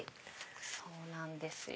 そうなんですよ。